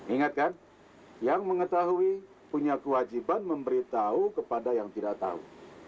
ingatkan yang mengetahui punya kewajiban memberitahu kepada yang tidak tahu